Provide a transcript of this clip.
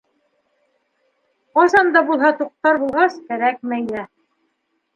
Ҡасан да булһа туҡтар булғас, кәрәкмәй ҙә.